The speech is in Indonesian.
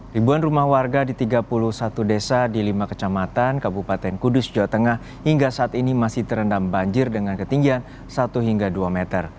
ribuan rumah warga di tiga puluh satu desa di lima kecamatan kabupaten kudus jawa tengah hingga saat ini masih terendam banjir dengan ketinggian satu hingga dua meter